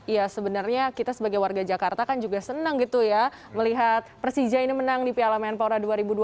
ya sebenarnya kita sebagai warga jakarta kan juga senang gitu ya melihat persija ini menang di piala menpora dua ribu dua puluh